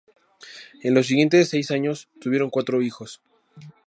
En los siguientes seis años, tuvieron cuatro hijos.